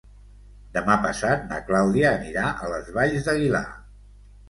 Demà passat na Clàudia anirà a les Valls d'Aguilar.